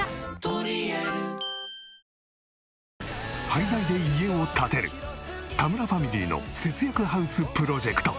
廃材で家を建てる田村ファミリーの節約ハウスプロジェクト。